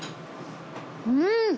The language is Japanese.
うん！